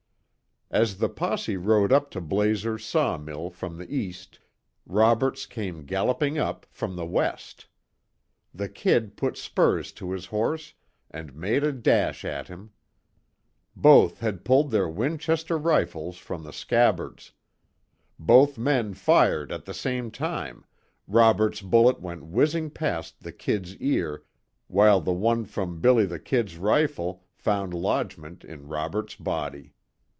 As the posse rode up to Blazer's saw mill from the east, Roberts came galloping up from the west. The "Kid" put spurs to his horse and made a dash at him. Both had pulled their Winchester rifles from the scabbards. Both men fired at the same time, Robert's bullet went whizzing past the "Kid's" ear, while the one from "Billy the Kid's" rifle, found lodgment in Robert's body.